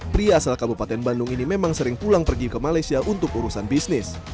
pria asal kabupaten bandung ini memang sering pulang pergi ke malaysia untuk urusan bisnis